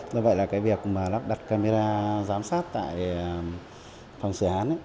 do vậy là cái việc mà lắp đặt camera giám sát tại phòng xử án